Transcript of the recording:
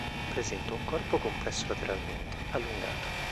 Presenta un corpo compresso lateralmente, allungato.